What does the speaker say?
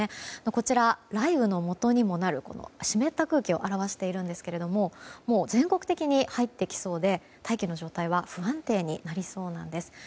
こちら、雷雨のもとにもなる湿った空気を表しているんですがもう全国的に入ってきそうで大気の状態は不安定になりそうなんです。